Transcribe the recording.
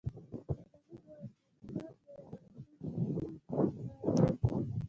خو حامد ويل چې انتخاب د افغانستان د ملي وُجدان کار دی.